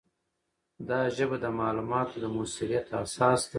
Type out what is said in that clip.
دا ژبه د معلوماتو د موثریت اساس ده.